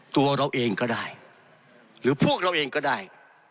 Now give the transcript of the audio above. ตัวเราเองก็ได้หรือพวกเราเองก็ได้